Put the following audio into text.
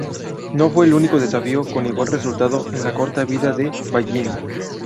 No fue el único desafío con igual resultado en la corta vida de Vallín.